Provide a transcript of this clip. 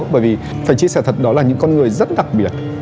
bởi vì phải chia sẻ thật đó là những con người rất đặc biệt